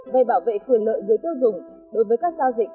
về bảo vệ quyền lợi người tiêu dùng đối với các giao dịch